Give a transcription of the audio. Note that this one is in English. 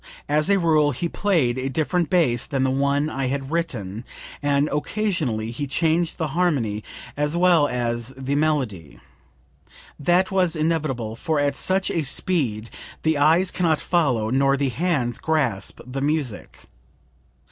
As a rule, he played a different bass than the one I had written, and occasionally he changed the harmony as well as the melody. That was inevitable, for at such speed the eyes can not follow, nor the hands grasp, the music.